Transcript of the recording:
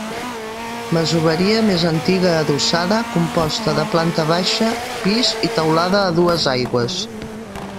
Masoveria més antiga adossada, composta de planta baixa, pis i teulada a dues aigües.